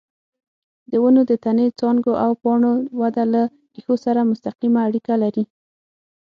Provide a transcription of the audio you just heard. د ونو د تنې، څانګو او پاڼو وده له ریښو سره مستقیمه اړیکه لري.